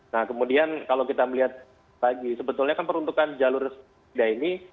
nah kemudian kalau kita melihat lagi sebetulnya kan peruntukan jalur sepeda ini